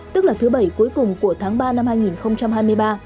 tức là thứ bảy cuối cùng của tháng ba năm hai nghìn hai mươi ba